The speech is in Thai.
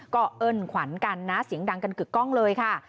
ก็เอิ้นขวัญกันนะเสียงดังกันกึกกล้องเลยค่ะ